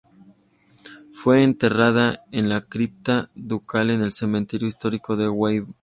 Fue enterrada en la cripta ducal en el Cementerio Histórico de Weimar.